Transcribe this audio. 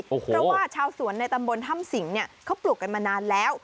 เพราะว่าชาวสวนในตำบลถ้ำสิงห์เนี่ยเขาปลูกกันมานานแล้ว